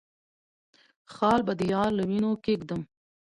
خال به د يار له وينو کېږدم